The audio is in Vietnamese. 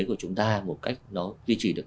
của chúng ta một cách nó duy trì được